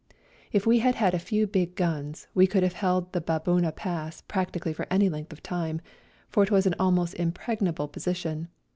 If we had had a few big guns we could have held the Baboona Pass practically for any length of time, for it was an almost impregnable position.